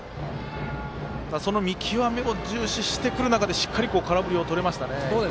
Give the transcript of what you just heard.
その見極めも重視してくる中でしっかり、空振りをとれましたね伊藤は。